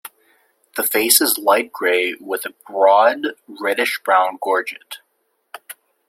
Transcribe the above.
The face is light grey with a broad reddish-brown gorget.